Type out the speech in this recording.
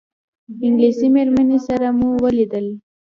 انګلیسي مېرمنې سره مو ولیدل.